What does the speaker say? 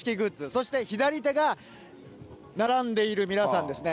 そして、左手が並んでいる皆さんですね。